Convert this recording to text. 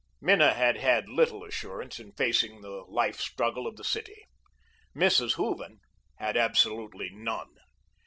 Minna had had little assurance in facing the life struggle of the city. Mrs. Hooven had absolutely none.